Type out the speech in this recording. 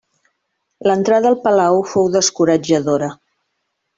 L'entrada al palau fou descoratjadora.